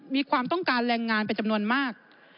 มีความต้องการแรงงานเป็นจำนวนมาก